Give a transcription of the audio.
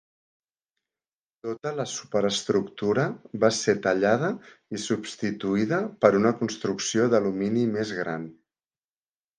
Tota la superestructura va ser tallada i substituïda per una construcció d'alumini més gran.